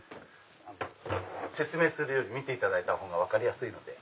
説明より見ていただいたほうが分かりやすいので。